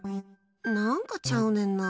何か、ちゃうねんな。